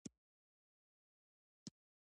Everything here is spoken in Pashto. سلیمان غر د دوامداره پرمختګ لپاره اړین دی.